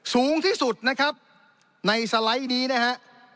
สูงที่สุดนะครับในสไลด์นี้นะฮะ